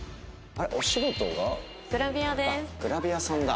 あっグラビアさんだ。